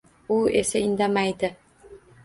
U esa indamaydi